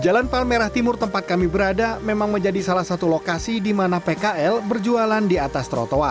jalan palmerra timur di mana kami berada menjadi salah satu lokasi di mana pekail berjualan di atas trotoar